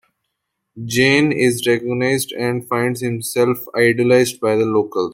Jayne is recognized and finds himself idolized by the locals.